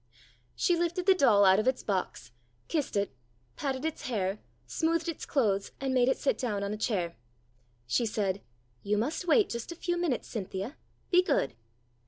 She lifted the doll out of its box, kissed it, patted its hair, smoothed its clothes, and made it sit down on a chair. She said :" You must wait just a few minutes, Cynthia. Be good."